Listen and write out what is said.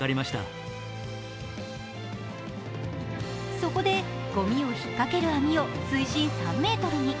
そこで、ごみを引っかける網を水深３ｍに。